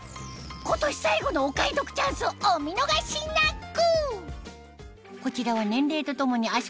今年最後のお買い得チャンスをお見逃しなく！